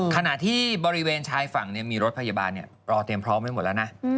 ขณะที่บริเวณชายฝั่งมีรถพยาบาลรอเตรียมพร้อมไว้หมดแล้วนะ